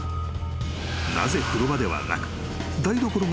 ［なぜ風呂場ではなく］